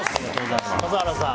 笠原さん